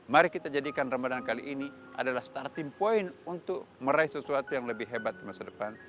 mari kita jadikan ramadan kali ini adalah starting point untuk meraih sesuatu yang lebih hebat di masa depan